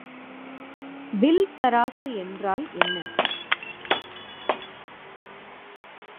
Will தராசு என்றால் என்ன?